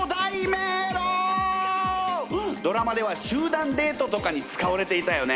ドラマでは集団デートとかに使われていたよね。